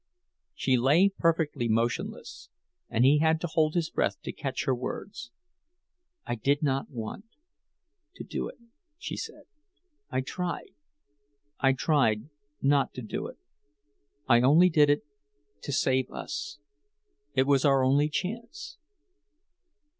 She lay perfectly motionless, and he had to hold his breath to catch her words. "I did not want—to do it," she said; "I tried—I tried not to do it. I only did it—to save us. It was our only chance."